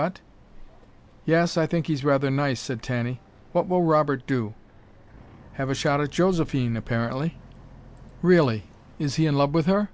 What?" "Yes, I think he's rather nice," said Tanny. "What will Robert do?" "Have a shot at Josephine, apparently." "Really? Is he in love with her?